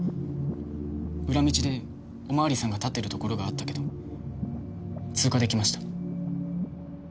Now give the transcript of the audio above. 裏道でお巡りさんが立ってるところがあったけど通過できました。